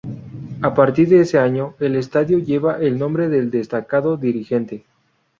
A partir de ese año, el estadio lleva el nombre del destacado dirigente.